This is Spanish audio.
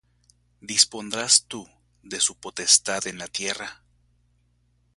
¿Dispondrás tú de su potestad en la tierra?